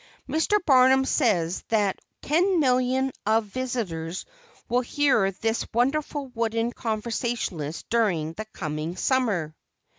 Mr. Barnum says that 10,000,000 of visitors will hear this wonderful wooden conversationalist during the coming Summer."